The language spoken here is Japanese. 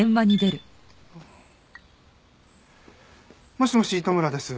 もしもし糸村です。